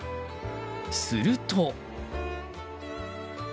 すると。